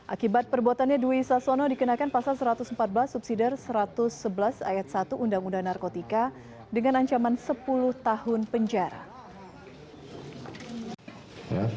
akibat perbuatannya dwi sasono dikenakan pasal satu ratus empat belas subsider satu ratus sebelas ayat satu undang undang narkotika dengan ancaman sepuluh tahun penjara